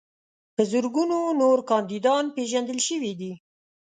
په زرګونو نور کاندیدان پیژندل شوي دي.